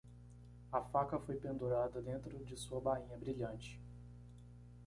A faca foi pendurada dentro de sua bainha brilhante.